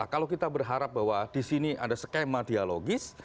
kalau kita berharap bahwa disini ada skema dialogis